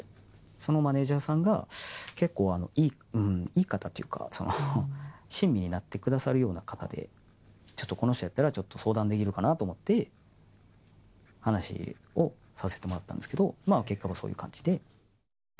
そのマネージャーさんは、結構いい方というか、親身になってくださるような方で、ちょっとこの人やったら、相談できるかなと思って、話をさせてもらったんですけど、まあ結果はそういう感じで。